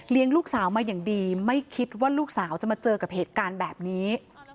ลูกสาวมาอย่างดีไม่คิดว่าลูกสาวจะมาเจอกับเหตุการณ์แบบนี้